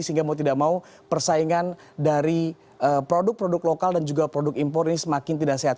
sehingga mau tidak mau persaingan dari produk produk lokal dan juga produk impor ini semakin tidak sehat